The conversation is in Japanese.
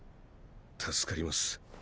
助かります。